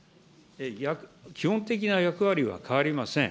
基本的な役割は変わりません。